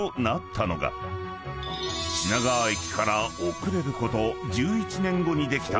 ［品川駅から遅れること１１年後にできた］